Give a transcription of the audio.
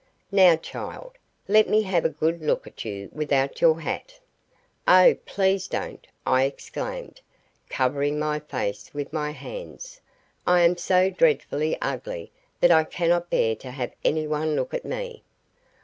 "Now, child, let me have a good look at you without your hat." "Oh, please don't!" I exclaimed, covering my face with my hands. "I am so dreadfully ugly that I cannot bear to have anyone look at me."